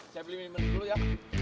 saya beli minum dulu ya